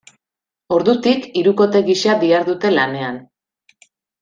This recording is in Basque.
Ordutik hirukote gisa dihardute lanean.